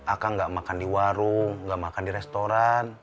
aka nggak makan di warung nggak makan di restoran